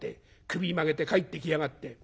首曲げて帰ってきやがって。